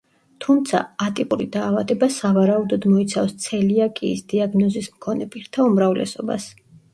თუმცა, ატიპური დაავადება სავარაუდოდ მოიცავს ცელიაკიის დიაგნოზის მქონე პირთა უმრავლესობას.